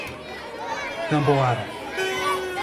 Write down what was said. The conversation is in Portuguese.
Tamboara